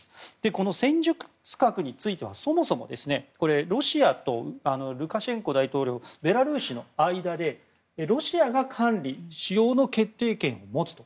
この戦術核についてはそもそもロシアとルカシェンコ大統領ベラルーシの間でロシアが管理・使用の決定権を持つと。